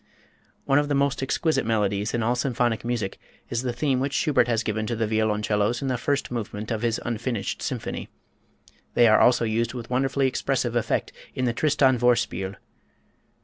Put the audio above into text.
One of the most exquisite melodies in all symphonic music is the theme which Schubert has given to the violoncellos in the first movement of his "Unfinished Symphony." They also are used with wonderfully expressive effect in the "Tristan Vorspiel."